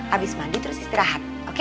abis mandi terus istirahat oke